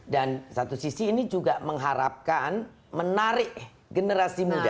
dan satu sisi ini juga mengharapkan menarik generasi muda